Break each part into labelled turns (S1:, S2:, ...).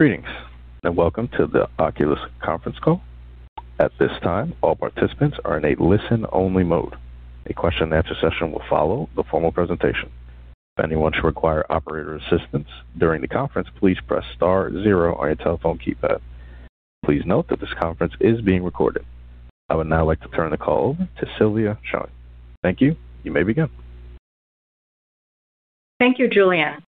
S1: Greetings, and welcome to the Oculis conference call. At this time, all participants are in a listen-only mode. A question and answer session will follow the formal presentation. If anyone would like to require operator assistance during the conference, please press star zero on your telephone keypad. Please note that this conference is being recorded. I would now like to turn the call over to Sylvia Cheung. Thank you. You may begin.
S2: Thank you, Julian.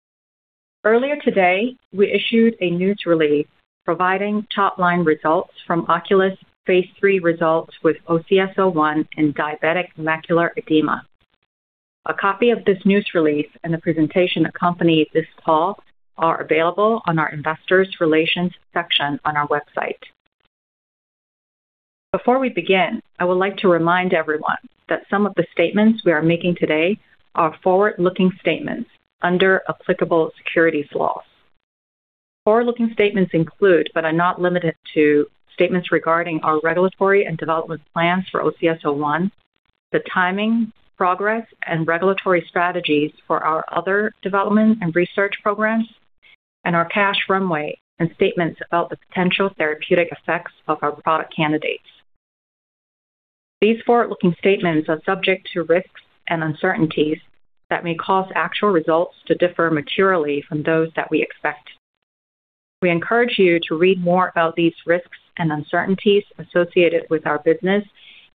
S2: Earlier today, we issued a news release providing top-line results from Oculis phase III results with OCS-01 in diabetic macular edema. A copy of this news release and the presentation accompanying this call are available on our investor relations section on our website. Before we begin, I would like to remind everyone that some of the statements we are making today are forward-looking statements under applicable securities laws. Forward-looking statements include, but are not limited to, statements regarding our regulatory and development plans for OCS-01, the timing, progress, and regulatory strategies for our other development and research programs, and our cash runway, and statements about the potential therapeutic effects of our product candidates. These forward-looking statements are subject to risks and uncertainties that may cause actual results to differ materially from those that we expect. We encourage you to read more about these risks and uncertainties associated with our business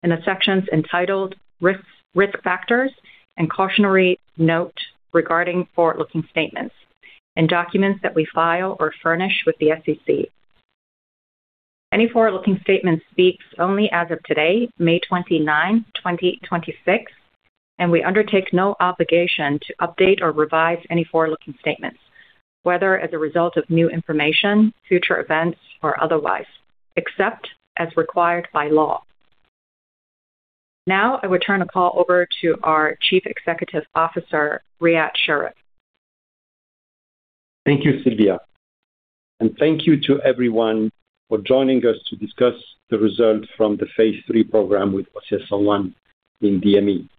S2: in the sections entitled Risk Factors and Cautionary Note regarding forward-looking statements and documents that we file or furnish with the SEC. Any forward-looking statements speak only as of today, May 29, 2026, and we undertake no obligation to update or revise any forward-looking statements, whether as a result of new information, future events, or otherwise, except as required by law. Now, I will turn the call over to our Chief Executive Officer, Riad Sherif.
S3: Thank you, Sylvia. Thank you to everyone for joining us to discuss the results from the phase III program with OCS-01 in DME.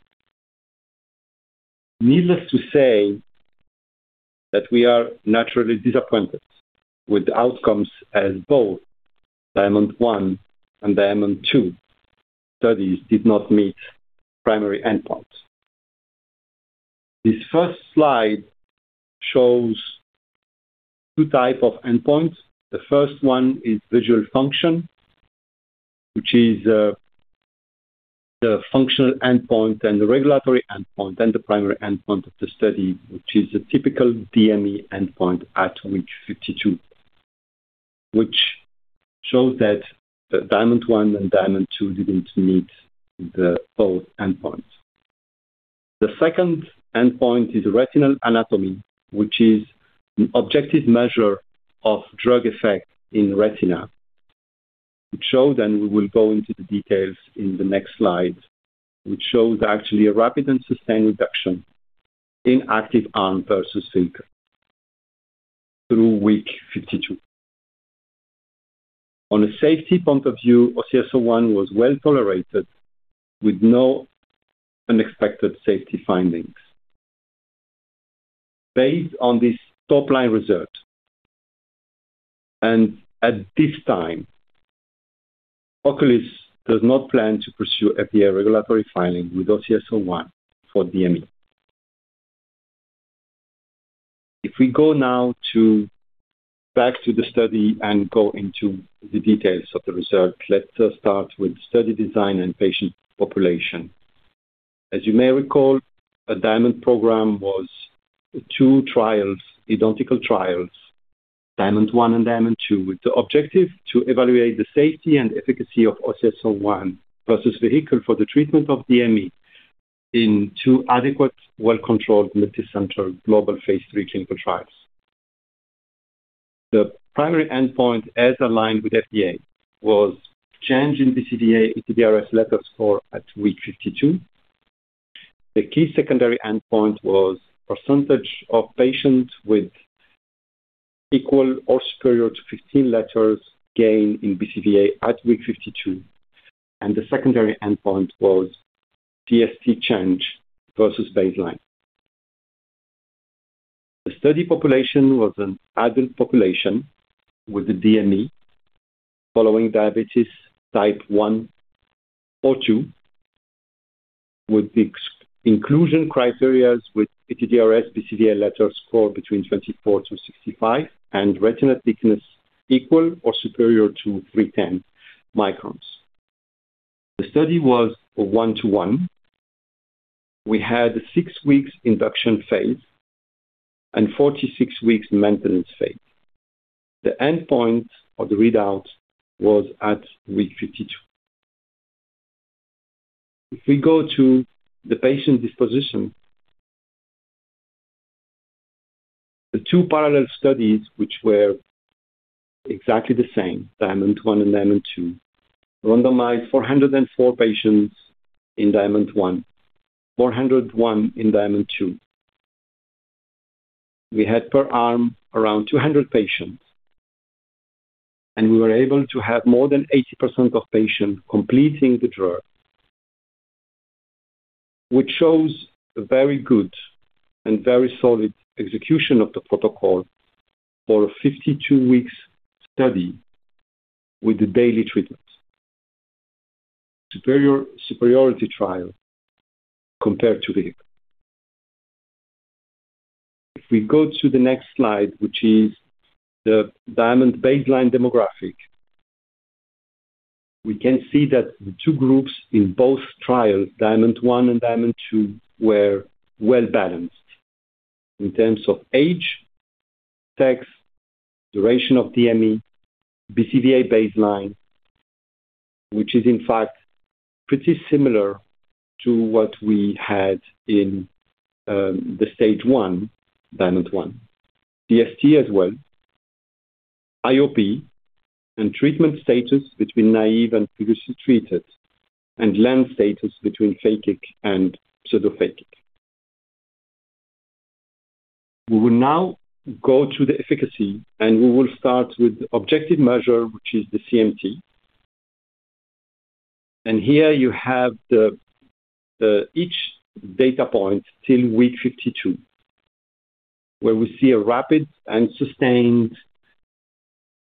S3: Needless to say that we are naturally disappointed with the outcomes, as both DIAMOND-1 and DIAMOND-2 studies did not meet primary endpoints. This first slide shows two type of endpoints. The first one is visual function, which is the functional endpoint and the regulatory endpoint and the primary endpoint of the study, which is a typical DME endpoint at week 52, which shows that the DIAMOND-1 and DIAMOND-2 didn't meet the both endpoints. The second endpoint is retinal anatomy, which is an objective measure of drug effect in retina, which show then we will go into the details in the next slide, which shows actually a rapid and sustained reduction in active arm versus vehicle through week 52. On a safety point of view, OCS-01 was well-tolerated with no unexpected safety findings. Based on this top-line result, at this time, Oculis does not plan to pursue FDA regulatory filing with OCS-01 for DME. We go now to back to the study and go into the details of the results, let's start with study design and patient population. You may recall, a DIAMOND program was two trials, identical trials, DIAMOND-1 and DIAMOND-2, with the objective to evaluate the safety and efficacy of OCS-01 versus vehicle for the treatment of DME in two adequate, well-controlled, multicenter global phase III clinical trials. The primary endpoint, as aligned with FDA, was change in BCVA ETDRS letter score at week 52. The key secondary endpoint was percentage of patients with equal or superior to 15 letters gain in BCVA at week 52, and the secondary endpoint was CST change versus baseline. The study population was an adult population with a DME following diabetes type 1 or 2 with inclusion criteria with ETDRS BCVA letter score between 24 to 65 and retinal thickness equal or superior to 310 microns. The study was a one-to-one. We had six weeks induction phase and 46 weeks maintenance phase. The endpoint of the readout was at week 52. If we go to the patient disposition, the two parallel studies, which were exactly the same, DIAMOND-1 and DIAMOND-2, randomized 404 patients in DIAMOND-1, 401 in DIAMOND-2. We had per arm around 200 patients, and we were able to have more than 80% of patients completing the drug. This shows a very good and very solid execution of the protocol for a 52 weeks study with the daily treatment. Superiority trial compared to vehicle. If we go to the next slide, which is the DIAMOND baseline demographic, we can see that the two groups in both trials, DIAMOND-1 and DIAMOND-2, were well-balanced in terms of age, sex, duration of DME, BCVA baseline, which is in fact pretty similar to what we had in the Stage 1, DIAMOND-1. CST as well, IOP, and treatment status between naive and previously treated, and lens status between phakic and pseudophakic. We will now go to the efficacy. We will start with objective measure, which is the CMT. Here you have each data point till week 52, where we see a rapid and sustained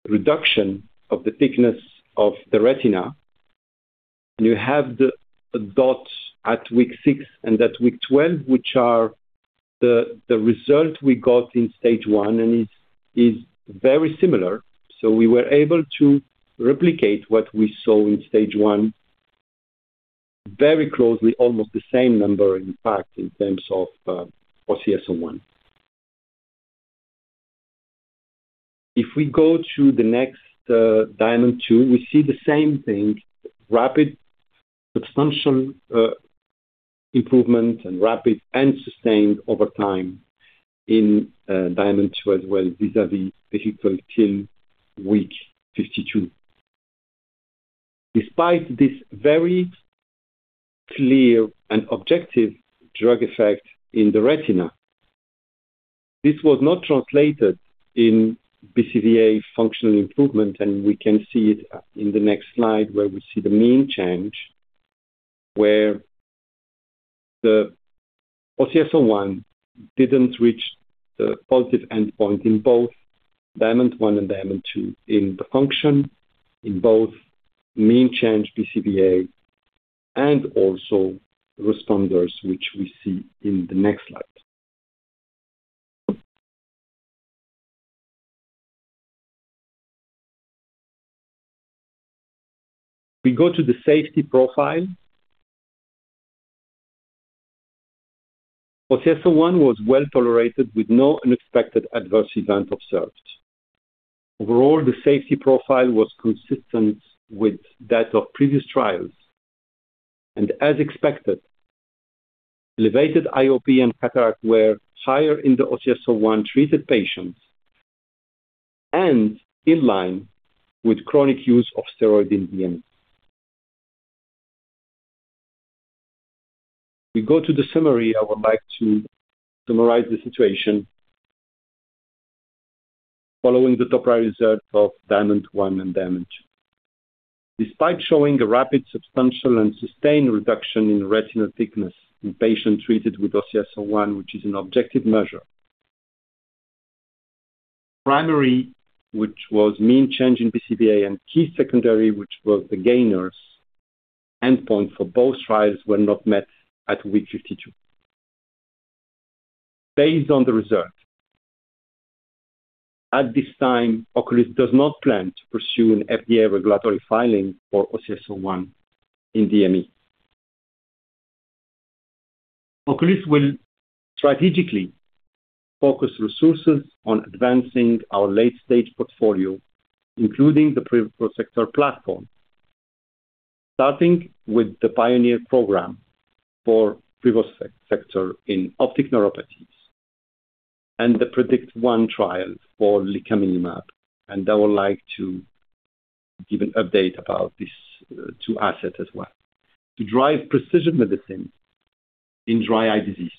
S3: reduction of the thickness of the retina. You have the dot at week six and at week 12, which are the result we got in Stage 1, and it is very similar. We were able to replicate what we saw in Stage 1 very closely, almost the same number, in fact, in terms of OCS-01. If we go to the next DIAMOND-2, we see the same thing, rapid substantial improvement and rapid and sustained over time in DIAMOND-2 as well vis-à-vis vehicle till week 52. Despite this very clear and objective drug effect in the retina, this was not translated in BCVA functional improvement, and we can see it in the next slide where we see the mean change, where the OCS-01 didn't reach the positive endpoint in both DIAMOND-1 and DIAMOND-2 in the function, in both mean change BCVA and also responders, which we see in the next slide. We go to the safety profile. OCS-01 was well-tolerated with no unexpected adverse event observed. Overall, the safety profile was consistent with that of previous trials. As expected, elevated IOP and cataract were higher in the OCS-01 treated patients and in line with chronic use of steroid DME. We go to the summary. I would like to summarize the situation. Following the top-line result of DIAMOND-1 and DIAMOND-2. Despite showing a rapid, substantial, and sustained reduction in retinal thickness in patients treated with OCS-01, which is an objective measure, primary, which was mean change in BCVA, and key secondary, which was the gainers endpoint for both trials were not met at week 52. Based on the result, at this time, Oculis does not plan to pursue an FDA regulatory filing for OCS-01 in DME. Oculis will strategically focus resources on advancing our late-stage portfolio, including the Privosegtor platform, starting with the PIONEER program for Privosegtor in optic neuropathies and the PREDICT-1 trial for licaminlimab. I would like to give an update about these two assets as well. To drive precision medicine in dry eye disease.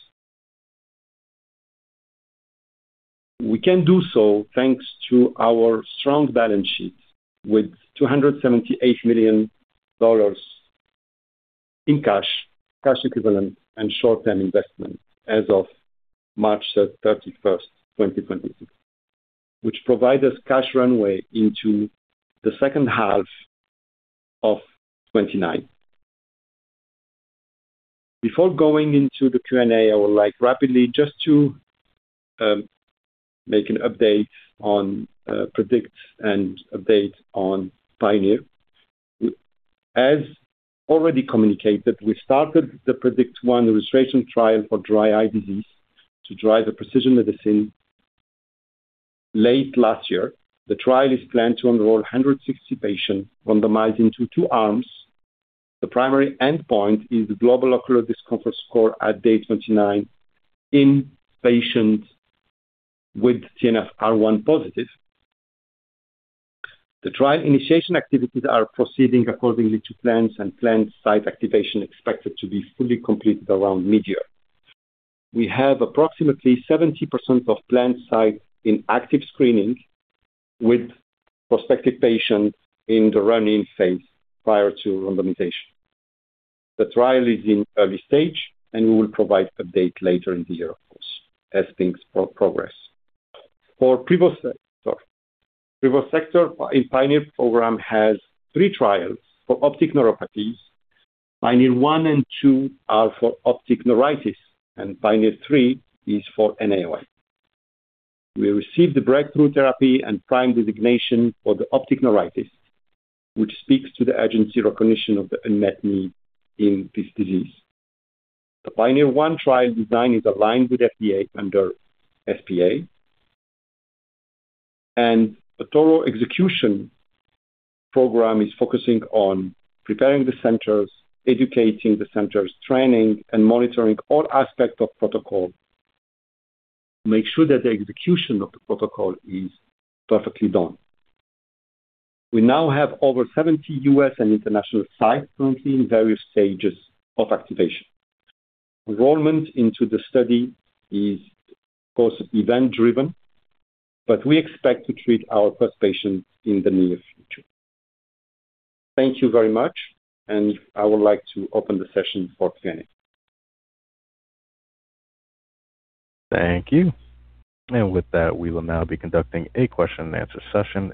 S3: We can do so thanks to our strong balance sheet with $278 million in cash equivalent, and short-term investment as of March 31st, 2022. Which provide us cash runway into the second half of 2029. Before going into the Q&A, I would like rapidly just to make an update on PREDICT and update on PIONEER. As already communicated, we started the PREDICT-1 registration trial for dry eye disease to drive the precision medicine late last year. The trial is planned to enroll 160 patients randomized into two arms. The primary endpoint is the global ocular discomfort score at day 29 in patients with TNFR1 positive. The trial initiation activities are proceeding accordingly to plans, and planned site activation expected to be fully completed around midyear. We have approximately 70% of planned sites in active screening with prospective patients in the run-in phase prior to randomization. The trial is in early stage, and we will provide update later in the year, of course, as things progress. For Privosegtor, our PIONEER program has three trials for optic neuropathies. PIONEER-1 and PIONEER-2 are for optic neuritis, and PIONEER-3 is for NAION. We received the breakthrough therapy and prime designation for the optic neuritis, which speaks to the agency recognition of the unmet need in this disease. The PIONEER-1 trial design is aligned with FDA under SPA. The total execution program is focusing on preparing the centers, educating the centers, training, and monitoring all aspects of protocol to make sure that the execution of the protocol is perfectly done. We now have over 70 U.S. and international sites currently in various stages of activation. Enrollment into the study is, of course, event-driven, but we expect to treat our first patient in the near future. Thank you very much, and I would like to open the session for Q&A.
S1: Thank you. With that, we will now be conducting a question and answer session.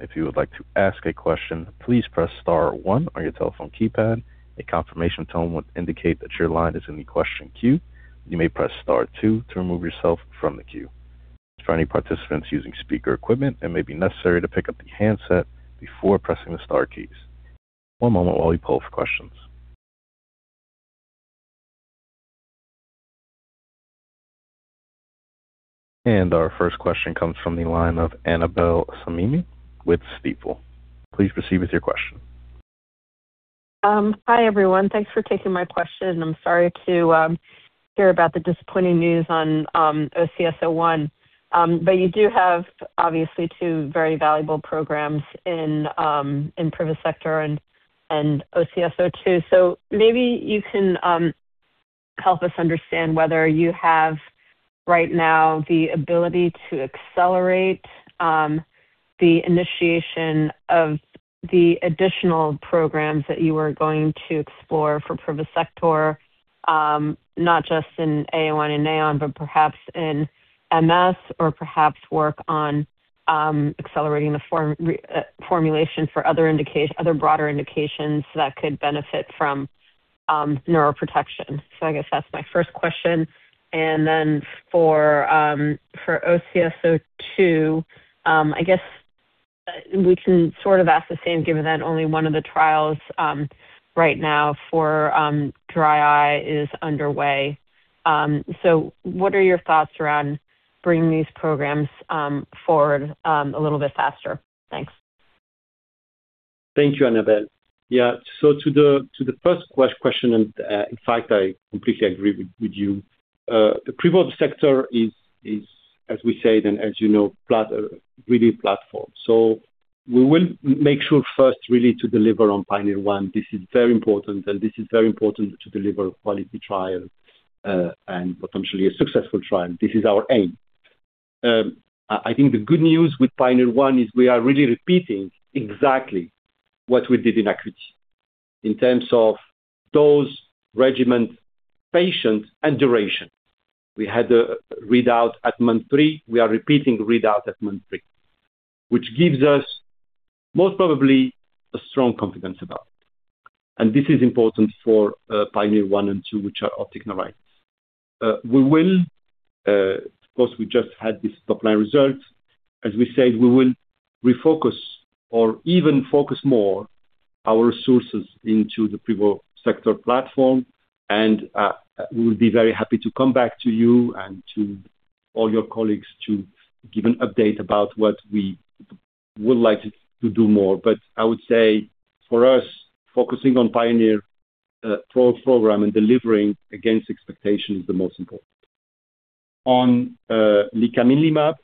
S1: Our first question comes from the line of Annabel Samimy with Stifel. Please proceed with your question.
S4: Hi, everyone. Thanks for taking my question. I'm sorry to hear about the disappointing news on OCS-01. You do have, obviously, two very valuable programs in Privosegtor and OCS-02. Maybe you can help us understand whether you have right now the ability to accelerate the initiation of the additional programs that you were going to explore for Privosegtor, not just in ON and NAION, but perhaps in MS or perhaps work on accelerating the formulation for other broader indications that could benefit from neuroprotection. I guess that's my first question. For OCS-02, I guess we can sort of ask the same given that only one of the trials right now for dry eye is underway. What are your thoughts around bringing these programs forward a little bit faster? Thanks.
S3: Thank you, Annabel. Yeah. To the first question, in fact, I completely agree with you. The Privosegtor is, as we say it and as you know, really a platform. We will make sure first really to deliver on PIONEER-1. This is very important, and this is very important to deliver quality trial, and potentially a successful trial. This is our aim. I think the good news with PIONEER-1 is we are really repeating exactly what we did in ACUITY in terms of dose, regimen, patients, and duration. We had a readout at month three. We are repeating readout at month three, which gives us most probably a strong confidence about it. This is important for PIONEER-1 and PIONEER-2, which are optic neuritis. Of course, we just had this top-line result. As we said, we will refocus or even focus more our resources into the Privosegtor platform, and we will be very happy to come back to you and to all your colleagues to give an update about what we would like to do more. I would say for us, focusing on PIONEER full program and delivering against expectation is the most important. On licaminlimab,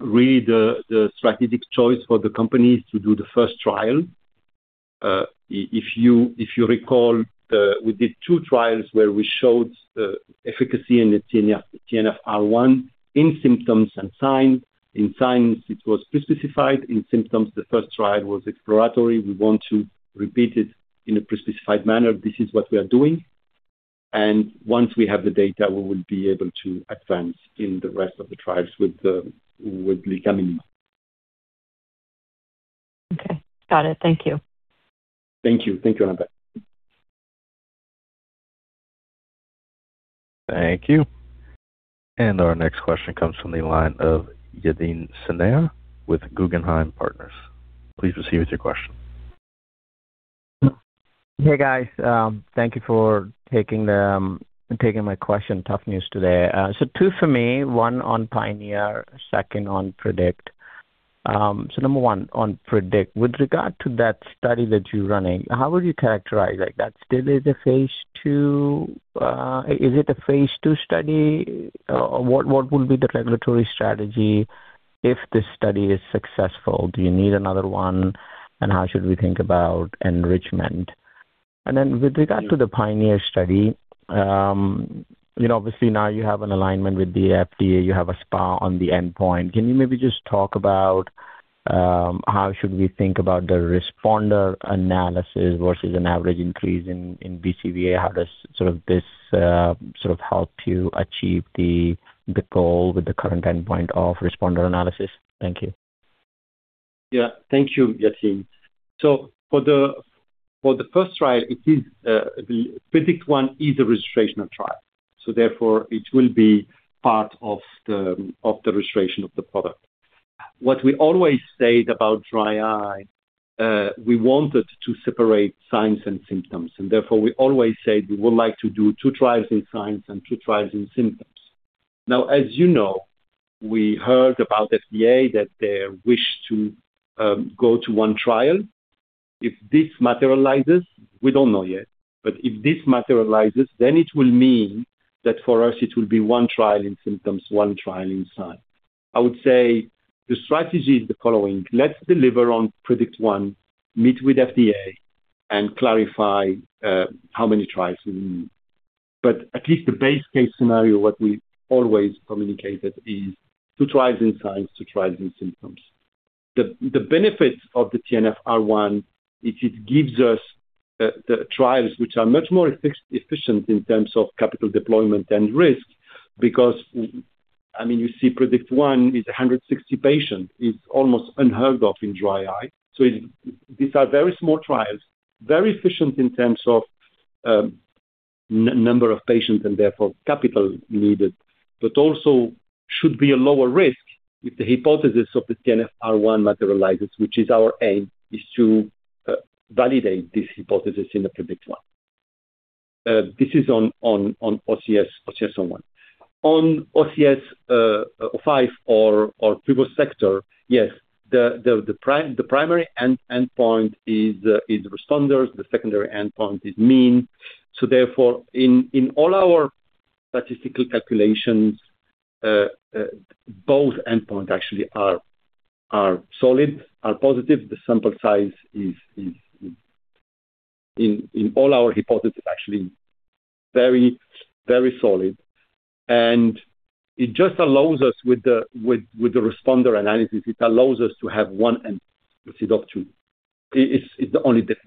S3: really the strategic choice for the company is to do the first trial. If you recall, we did two trials where we showed efficacy in the TNFR1 in symptoms and signs. In signs, it was pre-specified. In symptoms, the first trial was exploratory. We want to repeat it in a pre-specified manner. This is what we are doing. Once we have the data, we will be able to advance in the rest of the trials with licaminlimab.
S4: Okay. Got it. Thank you.
S3: Thank you. Thank you, Annabel.
S1: Thank you. Our next question comes from the line of Yatin Suneja with Guggenheim Partners. Please proceed with your question.
S5: Hey, guys. Thank you for taking my question. Tough news today. Two for me, one on PIONEER, second on PREDICT. Number one on PREDICT. With regard to that study that you're running, how would you characterize, like that still is a phase II Is it a phase II study? What will be the regulatory strategy if this study is successful? Do you need another one? How should we think about enrichment? With regard to the PIONEER study, obviously now you have an alignment with the FDA, you have a SPA on the endpoint. Can you maybe just talk about how should we think about the responder analysis versus an average increase in BCVA? How does this sort of help you achieve the goal with the current endpoint of responder analysis? Thank you.
S3: Thank you, Yatin. For the first trial, PREDICT-1 is a registrational trial, therefore, it will be part of the registration of the product. What we always said about dry eye, we wanted to separate signs and symptoms, therefore we always said we would like to do two trials in signs and two trials in symptoms. As you know, we heard about FDA, that they wish to go to one trial. If this materializes, we don't know yet, if this materializes, it will mean that for us, it will be one trial in symptoms, one trial in signs. I would say the strategy is the following. Let's deliver on PREDICT-1, meet with FDA, and clarify how many trials we need. At least the base case scenario, what we've always communicated is two trials in signs, two trials in symptoms. The benefits of the TNFR1 is it gives us the trials which are much more efficient in terms of capital deployment and risk. You see PREDICT-1 is 160 patients. It's almost unheard of in dry eye. These are very small trials, very efficient in terms of number of patients and therefore capital needed, but also should be a lower risk if the hypothesis of the TNFR1 materializes, which is our aim, is to validate this hypothesis in the PREDICT-1. This is on OCS-01. On OCS-05 or Privosegtor. Yes. The primary endpoint is responders. The secondary endpoint is mean. Therefore, in all our statistical calculations, both endpoints actually are solid, are positive. The sample size is in all our hypothesis actually very solid. It just allows us with the responder analysis, it allows us to have one endpoint instead of two. It's the only difference.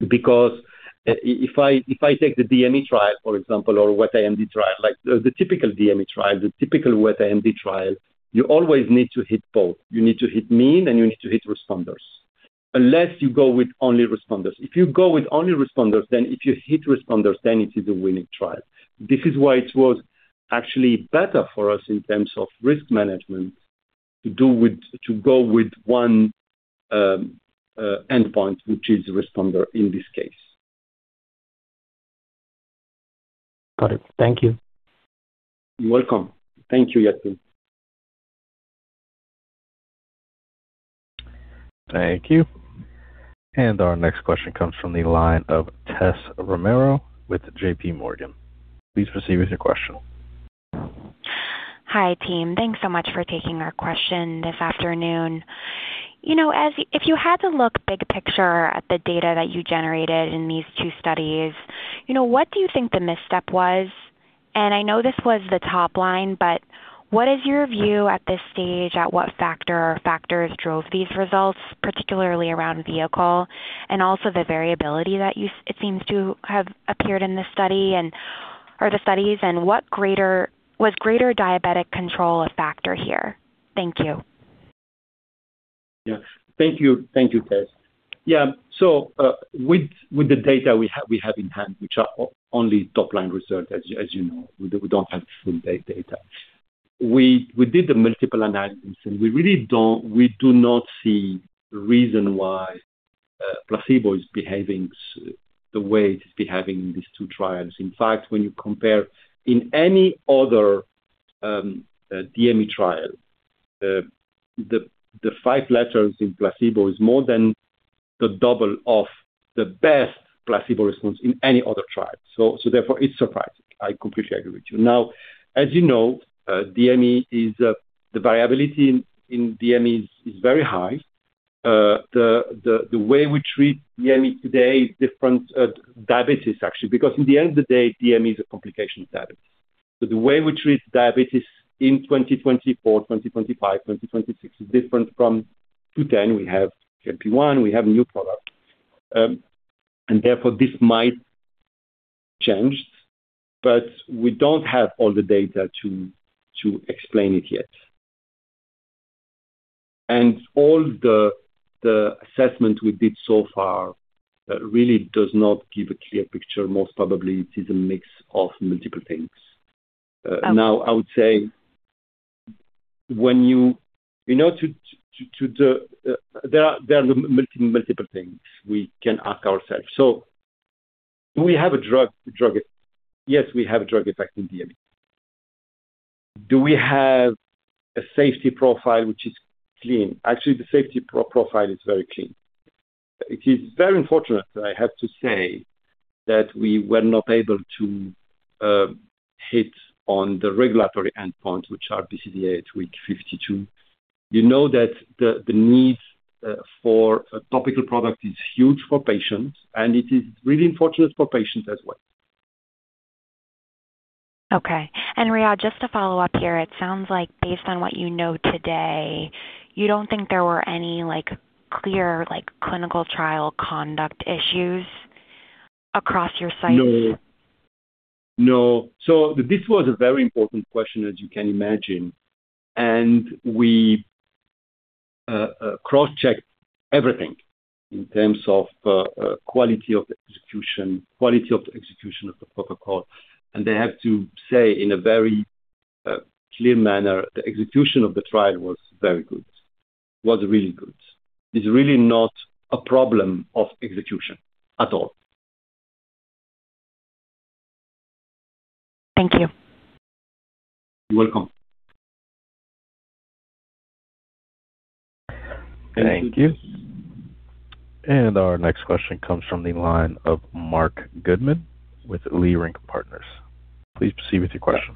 S3: If I take the DME trial, for example, or wet AMD trial, like the typical DME trial, the typical wet AMD trial, you always need to hit both. You need to hit mean, and you need to hit responders. Unless you go with only responders. If you go with only responders, then if you hit responders, then it is a winning trial. This is why it was actually better for us in terms of risk management to go with one endpoint, which is responder in this case.
S5: Got it. Thank you.
S3: You're welcome. Thank you, Yatin.
S1: Thank you. Our next question comes from the line of Tessa Romero with JPMorgan. Please proceed with your question.
S6: Hi, team. Thanks so much for taking our question this afternoon. If you had to look big picture at the data that you generated in these two studies, what do you think the misstep was? I know this was the top line, but what is your view at this stage at what factor or factors drove these results, particularly around vehicle and also the variability that it seems to have appeared in this study and, or the studies, and was greater diabetic control a factor here? Thank you.
S3: Thank you, Tessa. With the data we have in hand, which are only top-line research, as you know, we don't have the full data. We did the multiple analysis, we do not see reason why placebo is behaving the way it is behaving in these two trials. In fact, when you compare in any other DME trial, the five letters in placebo is more than the double of the best placebo response in any other trial. Therefore, it's surprising. I completely agree with you. Now, as you know, the variability in DME is very high. The way we treat DME today is different, diabetes, actually, because in the end of the day, DME is a complication of diabetes. The way we treat diabetes in 2024, 2025, 2026 is different from 2010. We have GLP-1, we have a new product. Therefore, this might change, but we don't have all the data to explain it yet. All the assessment we did so far really does not give a clear picture. Most probably it is a mix of multiple things.
S6: Okay.
S3: I would say there are multiple things we can ask ourselves. Do we have a drug effect? Yes, we have a drug effect in DME. Do we have a safety profile which is clean? Actually, the safety profile is very clean. It is very unfortunate that I have to say that we were not able to hit on the regulatory endpoint, which are BCVA at week 52. You know that the need for a topical product is huge for patients, and it is really unfortunate for patients as well.
S6: Okay. Riad, just to follow up here, it sounds like based on what you know today, you don't think there were any clear clinical trial conduct issues across your sites?
S3: No. This was a very important question, as you can imagine. We cross-checked everything in terms of quality of the execution of the protocol. I have to say in a very clear manner, the execution of the trial was very good. Was really good. It's really not a problem of execution at all.
S6: Thank you.
S3: You're welcome.
S1: Thank you. Our next question comes from the line of Marc Goodman with Leerink Partners. Please proceed with your question.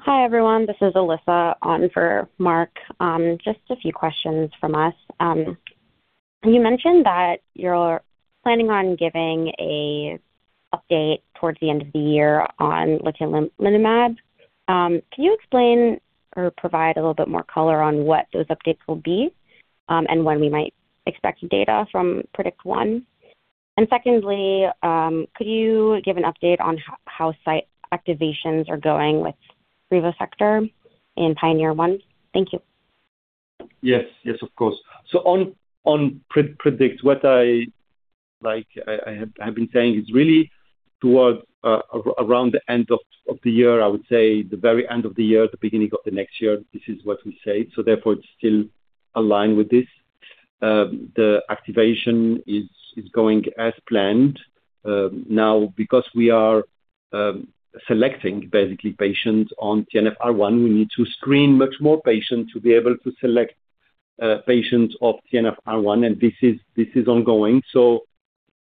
S7: Hi, everyone. This is Alyssa on for Marc. Just a few questions from us. You mentioned that you're planning on giving an update towards the end of the year on licaminlimab. Can you explain or provide a little bit more color on what those updates will be? When we might expect data from PREDICT-1? Secondly, could you give an update on how site activations are going with Privosegtor and PIONEER-1? Thank you.
S3: Yes, of course. On PREDICT, what I have been saying is really towards around the end of the year, I would say the very end of the year, the beginning of the next year. This is what we say. Therefore, it's still aligned with this. The activation is going as planned. Now, because we are selecting basically patients on TNFR1, we need to screen much more patients to be able to select patients of TNFR1, and this is ongoing.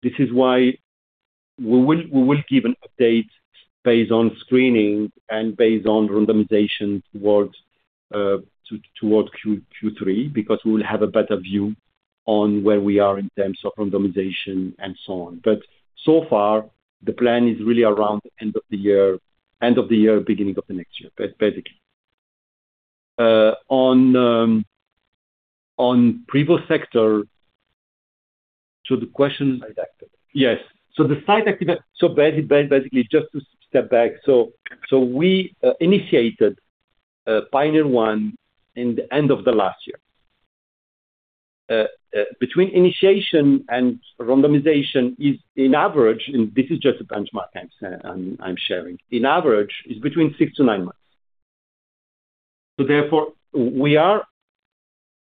S3: This is why we will give an update based on screening and based on randomization towards Q3, because we'll have a better view on where we are in terms of randomization and so on. So far, the plan is really around the end of the year, beginning of the next year, basically. On Privosegtor. Yes. Basically just to step back. We initiated PIONEER-1 in the end of the last year. Between initiation and randomization is in average, and this is just a benchmark I'm sharing. In average, it's between six to nine months. Therefore, we are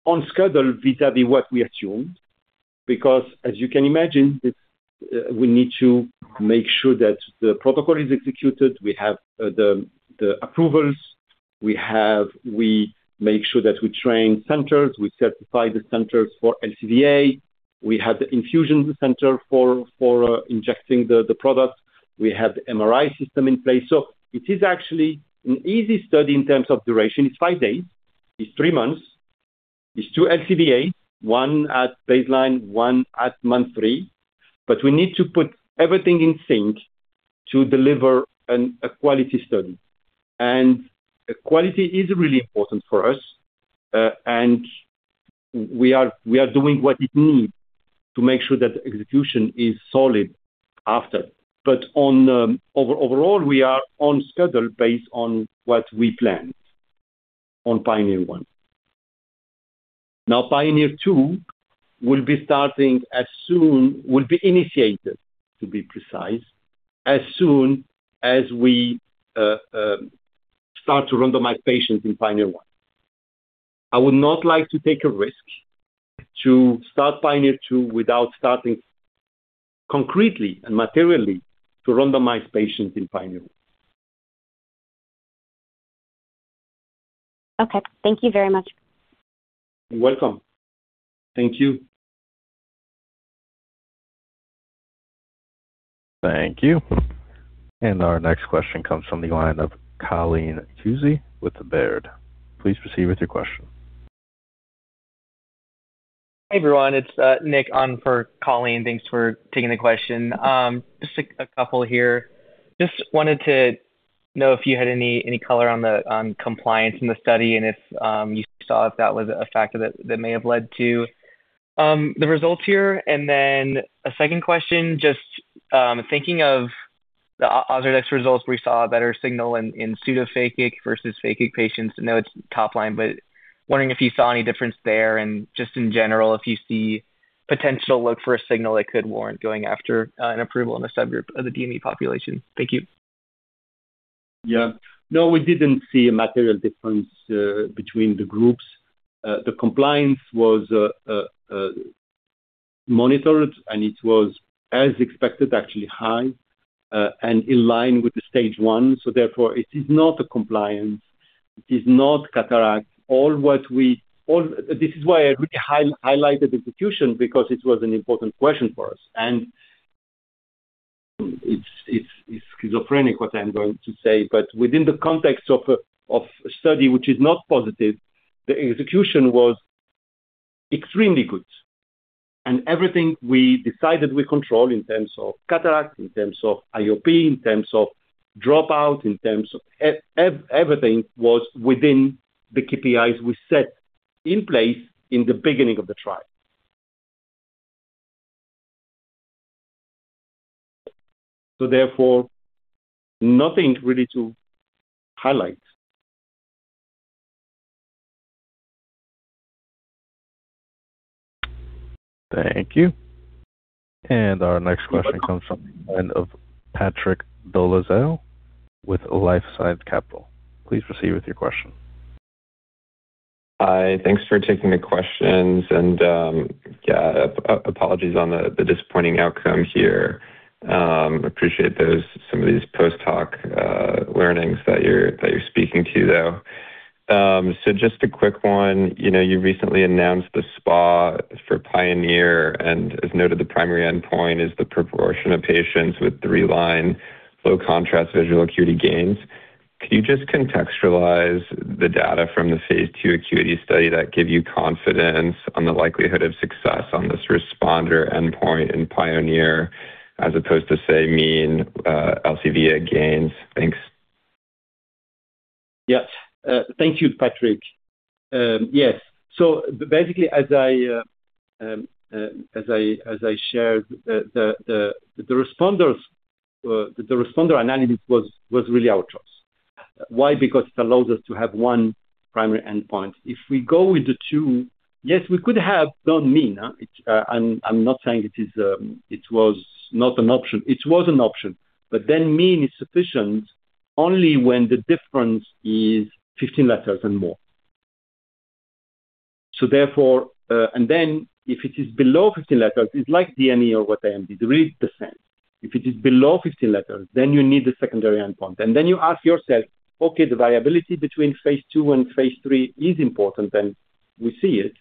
S3: on schedule vis-à-vis what we assumed, because as you can imagine, we need to make sure that the protocol is executed, we have the approvals, we make sure that we train centers, we certify the centers for LCVA. We have the infusion center for injecting the product. We have the MRI system in place. It is actually an easy study in terms of duration. It's five days. It's three months. It's two LCVA, one at baseline, one at month three. But we need to put everything in sync to deliver a quality study. And quality is really important for us. We are doing what it needs to make sure that execution is solid after. Overall, we are on schedule based on what we planned on PIONEER-1. Now, PIONEER-2 will be initiated, to be precise, as soon as we start to randomize patients in PIONEER-1. I would not like to take a risk to start PIONEER-2 without starting concretely and materially to randomize patients in PIONEER-1.
S7: Okay. Thank you very much.
S3: You're welcome. Thank you.
S1: Thank you. Our next question comes from the line of Colleen Kusy with Baird. Please proceed with your question.
S8: Hey, everyone. It's Nick on for Colleen. Thanks for taking the question. Just a couple here. Just wanted to know if you had any color on the compliance in the study and if you saw if that was a factor that may have led to the results here. A second question, just thinking of the OZURDEX results where you saw a better signal in pseudophakic versus phakic patients. I know it's top line, but wondering if you saw any difference there and just in general if you see potential look for a signal that could warrant going after an approval in a subgroup of the DME population. Thank you.
S3: No, we didn't see a material difference between the groups. The compliance was monitored, it was as expected, actually high. In line with the Stage 1, therefore it is not a compliance. It is not cataract. This is why I really highlighted execution because it was an important question for us. It's schizophrenic what I'm going to say, within the context of a study which is not positive, the execution was extremely good. Everything we decided we control in terms of cataracts, in terms of IOP, in terms of dropout, everything was within the KPIs we set in place in the beginning of the trial. Therefore, nothing really to highlight.
S1: Thank you. Our next question comes from the line of Patrick Dolezal with LifeSci Capital. Please proceed with your question.
S9: Hi. Thanks for taking the questions. Yeah, apologies on the disappointing outcome here. Appreciate some of these post-talk learnings that you're speaking to, though. Just a quick one. You recently announced the SPA for PIONEER, as noted, the primary endpoint is the proportion of patients with three-line Low Contrast Visual Acuity gains. Could you just contextualize the data from the phase II ACUITY study that give you confidence on the likelihood of success on this responder endpoint in PIONEER as opposed to, say, mean LCVA gains? Thanks.
S3: Thank you, Patrick. Basically, as I shared, the responder analysis was really our choice. Why? Because it allows us to have one primary endpoint. If we go with the two, we could have done mean. I'm not saying it was not an option. It was an option, mean is sufficient only when the difference is 15 letters and more. If it is below 15 letters, it's like DME or wet AMD, it really is the same. If it is below 15 letters, you need the secondary endpoint. You ask yourself, okay, the variability between phase II and phase III is important, and we see it.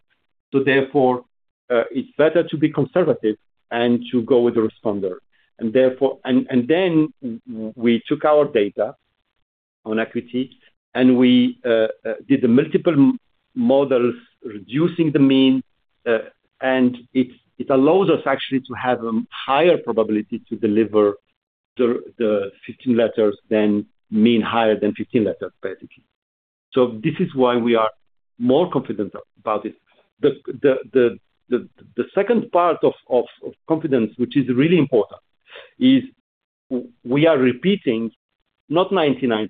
S3: Therefore, it's better to be conservative and to go with the responder. Then we took our data on ACUITY, and we did the multiple models, reducing the mean, and it allows us actually to have a higher probability to deliver the 15 letters than mean higher than 15 letters, basically. This is why we are more confident about it. The second part of confidence, which is really important, is we are repeating not 99%,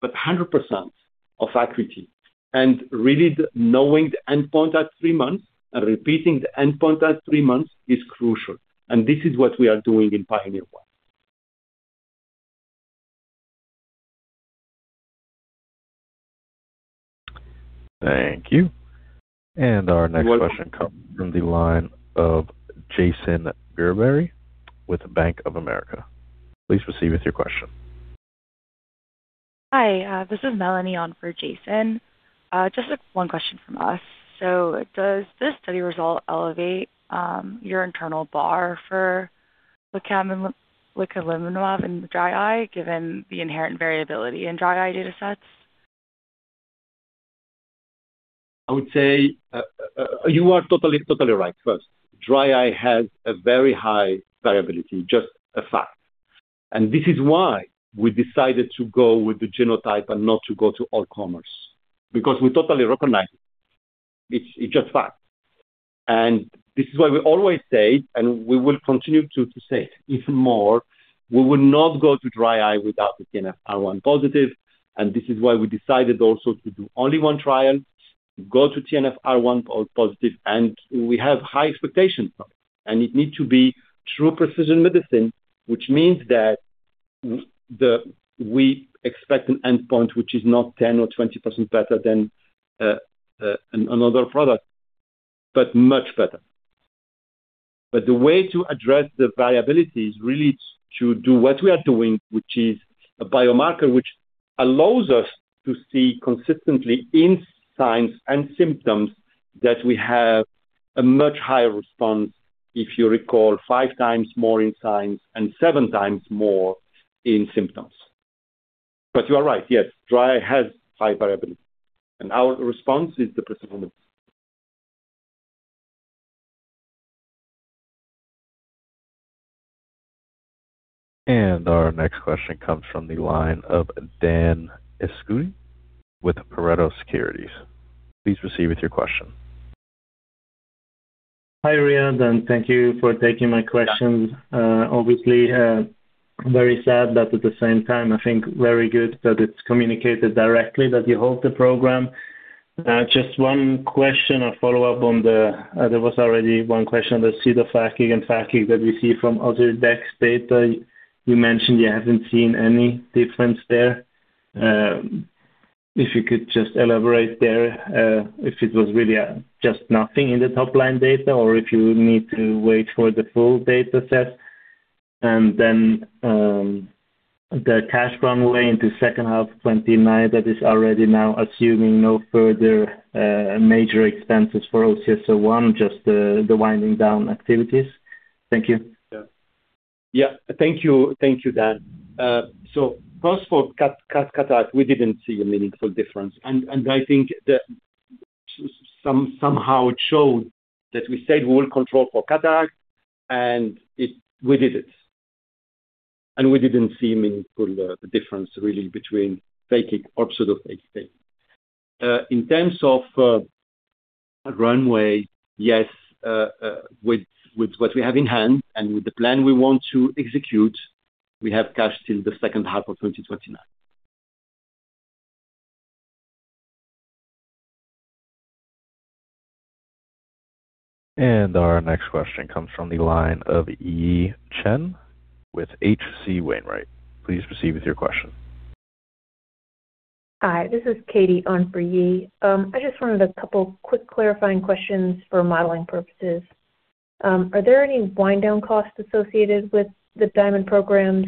S3: but 100% of ACUITY. Really knowing the endpoint at three months and repeating the endpoint at three months is crucial. This is what we are doing in PIONEER-1.
S1: Thank you. Our next question comes from the line of Jason Gerberry with Bank of America. Please proceed with your question.
S10: Hi, this is Melanie on for Jason. Just one question from us. Does this study result elevate your internal bar for licaminlimab in dry eye, given the inherent variability in dry eye data sets?
S3: I would say you are totally right. First, dry eye has a very high variability, just a fact. This is why we decided to go with the genotype and not to go to all comers, because we totally recognize it. It's just fact. This is why we always say, and we will continue to say it even more, we will not go to dry eye without the TNFR1 positive. This is why we decided also to do only one trial, go to TNFR1 positive, and we have high expectations from it. It need to be true precision medicine, which means that we expect an endpoint which is not 10% or 20% better than another product, but much better. The way to address the variability is really to do what we are doing, which is a biomarker which allows us to see consistently in signs and symptoms that we have a much higher response. If you recall, five times more in signs and seven times more in symptoms. You are right. Yes, dry eye has high variability. Our response is the precision medicine.
S1: Our next question comes from the line of Dan Akschuti with Pareto Securities. Please proceed with your question.
S11: Hi, Riad, and thank you for taking my questions. Obviously very sad. At the same time, I think very good that it's communicated directly that you halt the program. Just one question or follow-up. There was already one question on the pseudophakic and phakic that we see from OZURDEX data. You mentioned you haven't seen any difference there. If you could just elaborate there, if it was really just nothing in the top-line data or if you need to wait for the full data set? The cash runway into second half 2029, that is already now assuming no further major expenses for OCS-01, just the winding down activities. Thank you.
S3: Thank you, Dan. First for cataract, we didn't see a meaningful difference. I think that somehow it showed that we said we will control for cataract and we did it. We didn't see a meaningful difference really between phakic or pseudophakic. In terms of runway, yes, with what we have in hand and with the plan we want to execute, we have cash till the second half of 2029.
S1: Our next question comes from the line of Yi Chen with H.C. Wainwright. Please proceed with your question.
S12: Hi, this is Katherine on for Yi. I just wanted a couple quick clarifying questions for modeling purposes. Are there any wind-down costs associated with the DIAMOND programs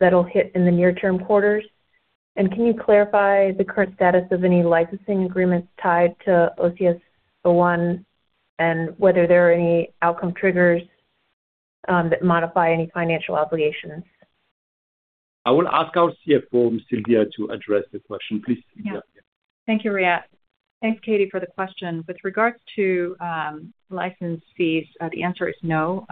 S12: that'll hit in the near-term quarters? Can you clarify the current status of any licensing agreements tied to OCS-01 and whether there are any outcome triggers that modify any financial obligations?
S3: I will ask our CFO, Sylvia, to address the question. Please, Sylvia.
S2: Thank you, Riad. Thanks, Katherine, for the question. With regards to license fees, the answer is no.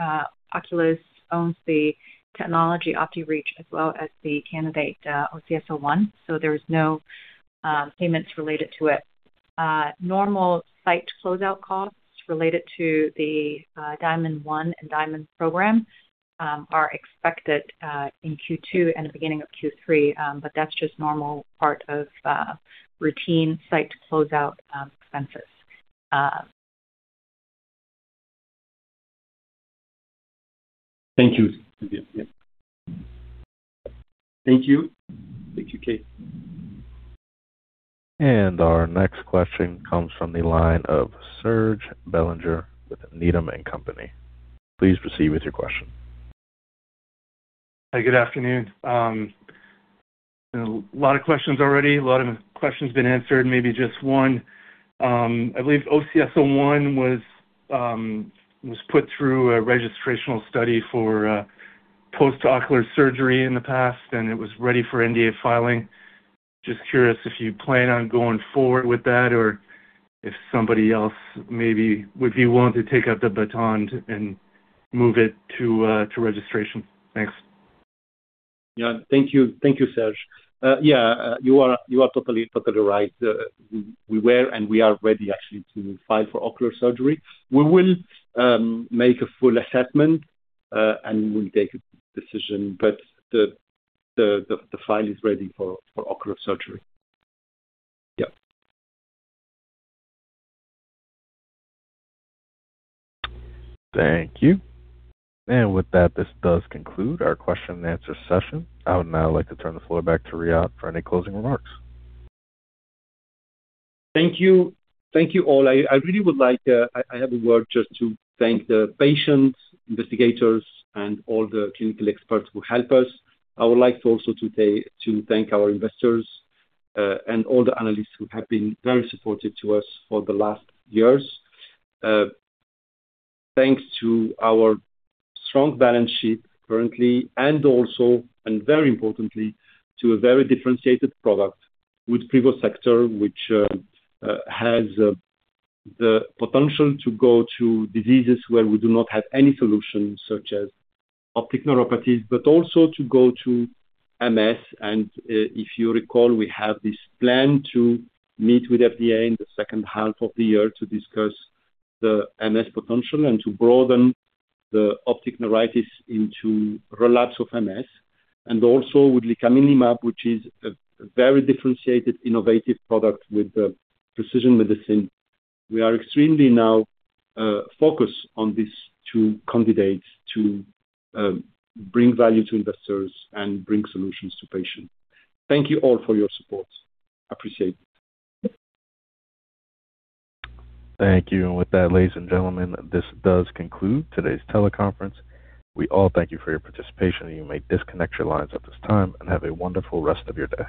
S2: Oculis owns the technology OPTIREACH as well as the candidate OCS-01, so there's no payments related to it. Normal site closeout costs related to the DIAMOND-1 and DIAMOND program are expected in Q2 and the beginning of Q3. That's just normal part of routine site closeout expenses.
S3: Thank you, Sylvia. Yeah. Thank you. Thank you, Katherine.
S1: Our next question comes from the line of Serge Belanger with Needham & Company. Please proceed with your question.
S13: Hi, good afternoon. A lot of questions already. A lot of questions been answered, maybe just one. I believe OCS-01 was put through a registrational study for post-ocular surgery in the past, and it was ready for NDA filing. Just curious if you plan on going forward with that or if somebody else maybe would be willing to take up the baton and move it to registration. Thanks.
S3: Yeah. Thank you, Serge. Yeah, you are totally right. We were and we are ready actually to file for ocular surgery. We will make a full assessment, and we'll take a decision, but the file is ready for ocular surgery. Yeah.
S1: Thank you. With that, this does conclude our question and answer session. I would now like to turn the floor back to Riad for any closing remarks.
S3: Thank you. Thank you all. I really would like to just thank the patients, investigators, and all the clinical experts who help us. I would like to also thank our investors, and all the analysts who have been very supportive to us for the last years. Thanks to our strong balance sheet currently and also, very importantly, to a very differentiated product with Privosegtor, which has the potential to go to diseases where we do not have any solutions such as optic neuropathies, but also to go to MS. If you recall, we have this plan to meet with FDA in the second half of the year to discuss the MS potential and to broaden the optic neuritis into relapse of MS. Also with licaminlimab, which is a very differentiated, innovative product with precision medicine. We are extremely now focused on these two candidates to bring value to investors and bring solutions to patients. Thank you all for your support. Appreciate it.
S1: Thank you. With that, ladies and gentlemen, this does conclude today's teleconference. We all thank you for your participation, and you may disconnect your lines at this time, and have a wonderful rest of your day.